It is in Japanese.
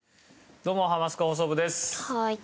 どうも『ハマスカ放送部』です。